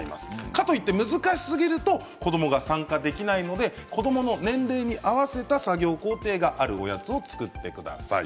かといって難しすぎると子どもが参加できないので子どもの年齢に合わせた作業工程があるおやつを作ってください。